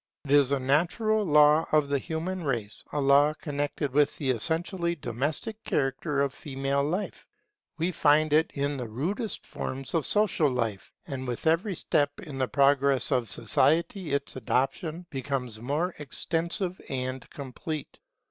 It is a natural law of the human race; a law connected with the essentially domestic character of female life. We find it in the rudest forms of social life; and with every step in the progress of society its adoption becomes more extensive and complete.